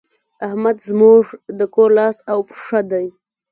احمد زموږ د کور لاس او پښه دی.